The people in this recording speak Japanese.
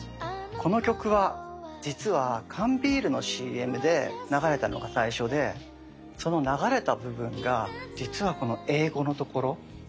この曲は実は缶ビールのＣＭで流れたのが最初でその流れた部分が実はこの英語のところ。